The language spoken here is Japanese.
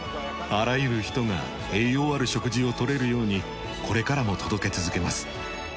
あらゆる人が栄養ある食事を取れるようにこれからも届け続けます。